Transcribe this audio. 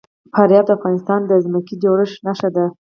فاریاب د افغانستان د ځمکې د جوړښت نښه ده.